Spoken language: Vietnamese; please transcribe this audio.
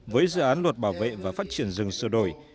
với dự án luật bảo vệ và phát triển rừng sửa đổi